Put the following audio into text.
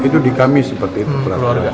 itu di kami seperti itu